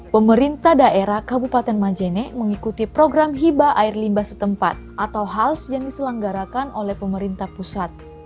pemerintah daerah kabupaten majene mengikuti program hiba air limba setempat atau hals yang diselenggarakan oleh pemerintah pusat